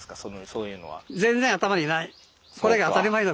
そういうのは。